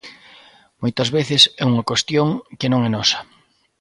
Moitas veces é unha cuestión que non é nosa.